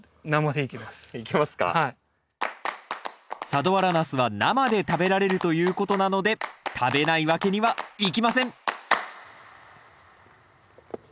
佐土原ナスは生で食べられるということなので食べないわけにはいきません！